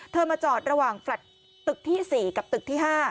มาจอดระหว่างแฟลต์ตึกที่๔กับตึกที่๕